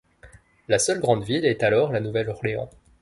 La seule grande ville est alors La Nouvelle-Orléans.